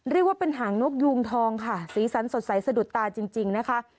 เรียกว่าเป็นหางนกยูงทองค่ะสีสันสดใสสะดุดตาจริงนะคะ